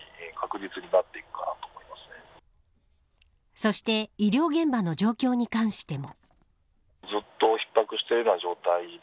そして医療現場の状況に関しても。